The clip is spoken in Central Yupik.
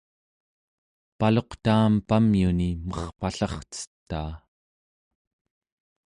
paluqtaam pamyuni merpallarcetaa